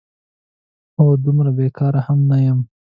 هو، دومره بېکاره هم نه یم؟!